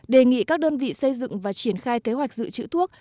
đề nghị các đơn vị xây dựng và triển khai kế hoạch dự trữ thuốc